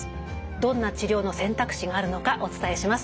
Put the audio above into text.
どんな治療の選択肢があるのかお伝えします。